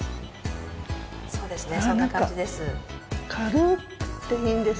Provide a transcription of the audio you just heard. そうですねそんな感じです。